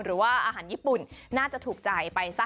หรือว่าอาหารญี่ปุ่นน่าจะถูกใจไปซะ